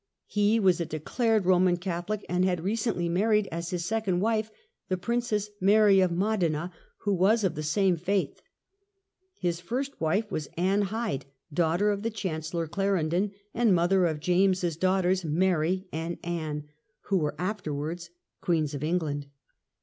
He was siSon^ Sfftrch, a declared Roman Catholic, and had recently '^ married as his second wife the Princess Mary of Modena, who was of the same faith. His first wife was Anne Hyde, daughter of the Chancellor Clarendon, and mother of James's daughters, Mary and Anne, who were afterwards Queens of England.